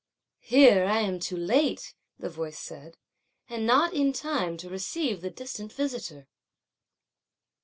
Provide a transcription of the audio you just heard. "Here I am too late!" the voice said, "and not in time to receive the distant visitor!"